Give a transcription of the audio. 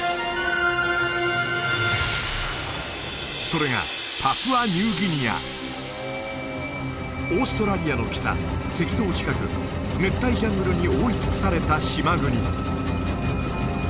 それがパプアニューギニアオーストラリアの北赤道近く熱帯ジャングルに覆い尽くされた島国